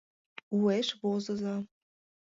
Уэш возыза...